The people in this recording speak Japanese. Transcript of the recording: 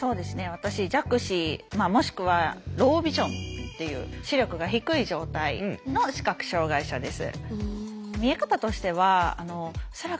私弱視もしくはロービジョンっていう視力が低い状態の視覚障害者です。